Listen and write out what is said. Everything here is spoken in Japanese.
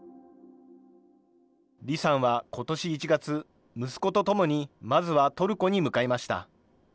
李さんはことし１月、息子と共にまずはトルコに向かいました。